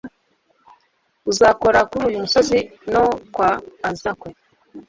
Uzakora kuri uyu musozi no kwkwa azkwe.